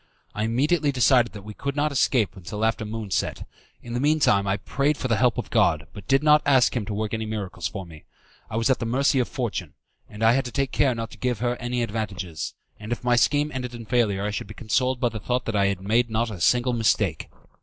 I immediately decided that we could not escape till after the moon set; in the mean time I prayed for the help of God, but did not ask Him to work any miracles for me. I was at the mercy of Fortune, and I had to take care not to give her any advantages; and if my scheme ended in failure I should be consoled by the thought that I had not made a single mistake.